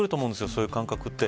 そういう感覚って。